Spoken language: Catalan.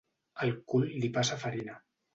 Al cul li passa farina.